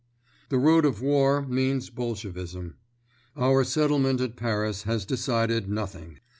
The road of war means Bolshevism. Our settlement at Paris has decided nothing.